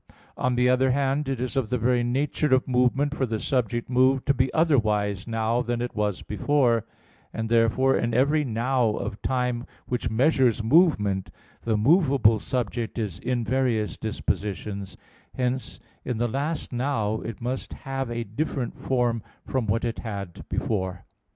On the other hand, it is of the very nature of movement for the subject moved to be otherwise now than it was before: and therefore in every "now" of time which measures movement, the movable subject is in various dispositions; hence in the last "now" it must have a different form from what it had before.